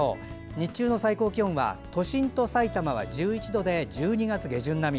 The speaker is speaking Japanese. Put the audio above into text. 日中の最高気温は都心とさいたまは１１度で１２月下旬並み。